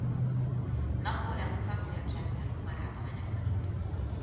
Napóleon francia császár udvarába menekült.